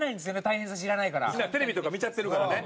テレビとか見ちゃってるからね。